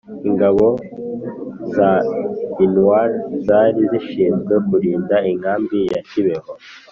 ingabo za minuar zari zishinzwe kurinda inkambi ya kibeho